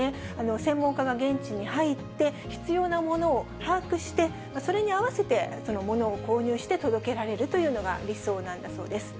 専門家が現地に入って、必要なものを把握して、それに合わせて物を購入して届けられるというのが理想なんだそうです。